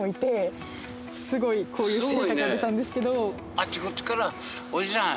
あっちこちから「おじさん」。